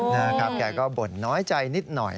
นะครับแกก็บ่นน้อยใจนิดหน่อย